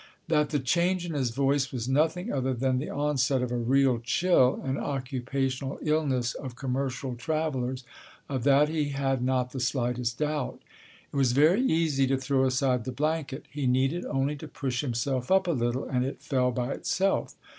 That the change in his voice was nothing other than the onset of a real chill, an occupational illness of commercial travellers, of that he had not the slightest doubt. It was very easy to throw aside the blanket. He needed only to push himself up a little, and it fell by itself.